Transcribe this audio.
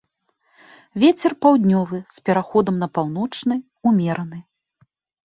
Вецер паўднёвы з пераходам на паўночны, умераны.